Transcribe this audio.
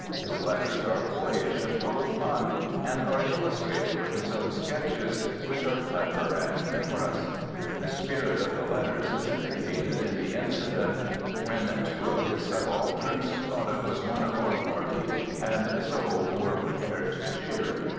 His letters are boyish and full of fun, and are illustrated with his own sketches, which are clever and humorous. The spirit of the letters is indicated in the incident when two of the subalterns " thought it was one of our party and so were pre pared to jeer."